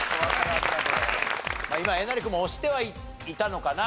今えなり君も押してはいたのかな？